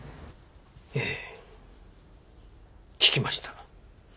ええ聞きました。